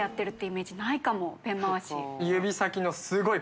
ペン回し。